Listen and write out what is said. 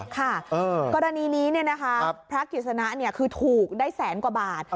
ค่ะกรณีนี้พระกิจสนะคือถูกได้แสนกว่าบาท